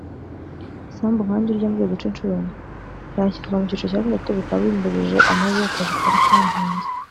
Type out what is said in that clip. isambu nkanjye urya mvuye guca inshuro yashyirwa mu cyiciro cya gatatu bikaba bimbujije amahirwe ku kazi kari kantunze